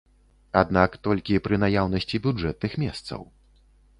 Аднак толькі пры наяўнасці бюджэтных месцаў.